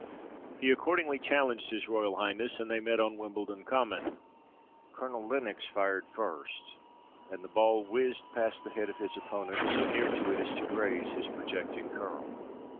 He accordingly challenged his Royal Highness, and they met on Wimbledon Common. Colonel Lenox fired first, and the ball whizzed past the head of his opponent, so near to it as to graze his projecting curl.